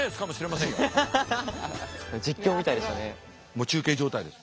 もう中継状態です。